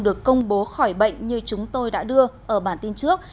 được công bố khỏi bệnh như chúng tôi đã đưa ở bản tin trước